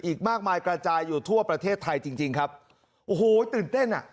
อีกมากมายกระจายอยู่ทั่วประเทศไทยจริงจริงครับโอ้โหตื่นเต้นอ่ะ